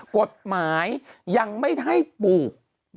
กฎหมายยังไม่ให้ปลูก